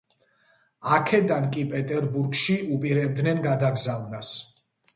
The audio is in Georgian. აქედან კი პეტერბურგში უპირებდნენ გადაგზავნას.